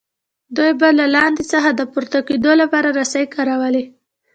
دوی به له لاندې څخه د پورته کیدو لپاره رسۍ کارولې.